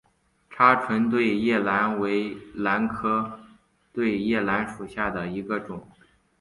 叉唇对叶兰为兰科对叶兰属下的一个种。